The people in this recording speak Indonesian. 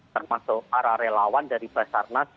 termasuk para relawan dari basarnas